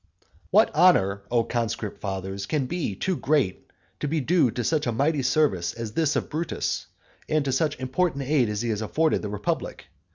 What honour, O conscript fathers, can be too great to be due to such a mighty service as this of Brutus, and to such important aid as he has afforded the republic?